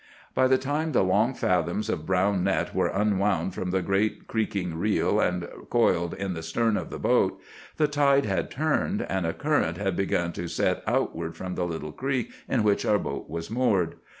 "By the time the long fathoms of brown net were unwound from the great creaking reel and coiled in the stern of the boat, the tide had turned, and a current had begun to set outward from the little creek in which our boat was moored.